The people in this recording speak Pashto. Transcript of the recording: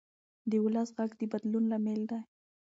د ولس غږ د بدلون لامل دی